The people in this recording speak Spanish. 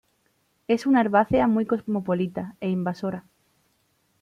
Es una herbácea muy cosmopolita, e invasora.